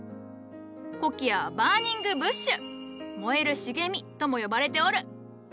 コキアはバーニングブッシュ「燃える茂み」とも呼ばれておる。